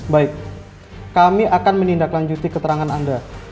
baik kami akan menindaklanjuti keterangan anda